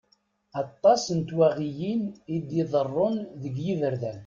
Aṭas n twaɣiyin i d-iḍerrun deg yiberdan.